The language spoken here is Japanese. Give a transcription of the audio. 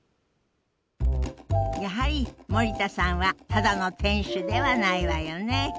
やはり森田さんはただの店主ではないわよね。